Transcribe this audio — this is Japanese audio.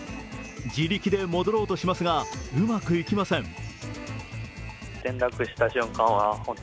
自力で戻ろうとしますがうまくいきません。